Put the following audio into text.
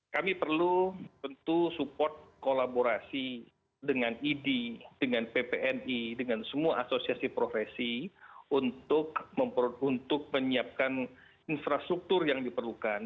kami perlu tentu support kolaborasi dengan idi dengan ppni dengan semua asosiasi profesi untuk menyiapkan infrastruktur yang diperlukan